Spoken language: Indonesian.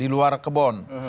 di luar kebon